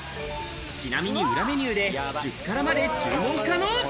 ちなみに裏メニューで１０辛まで注文可能。